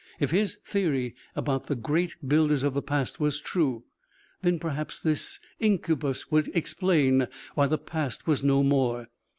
If his theory about the great builders of the past was true, then perhaps this incubus would explain why the past was no more.